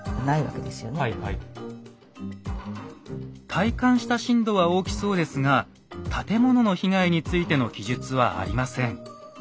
体感した震度は大きそうですが建物の被害についての記述はありません。